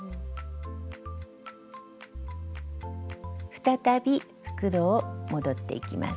再び復路を戻っていきます。